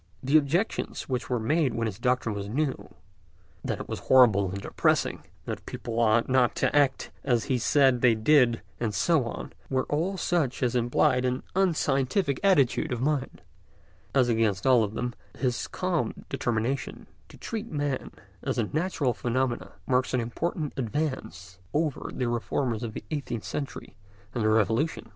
The objections which were made when his doctrine was new—that it was horrible and depressing, that people ought not to act as he said they did, and so on—were all such as implied an unscientific attitude of mind; as against all of them, his calm determination to treat man as a natural phenomenon marks an important advance over the reformers of the eighteenth century and the Revolution.